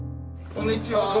こんにちは。